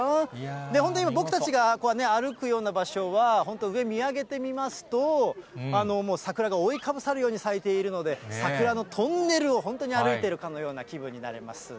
本当、今、僕たちが歩くような場所は、本当、上、見上げてみますと、もう桜が覆いかぶさるように咲いているので、桜のトンネルを本当に歩いているかのような気分になります。